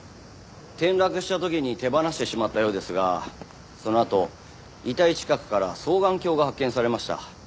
転落した時に手放してしまったようですがそのあと遺体近くから双眼鏡が発見されました。